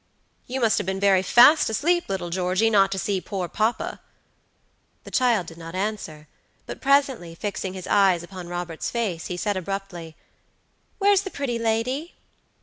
"You must have been very fast asleep, little Georgey, not to see poor papa." The child did not answer, but presently, fixing his eyes upon Robert's face, he said abruptly: "Where's the pretty lady?"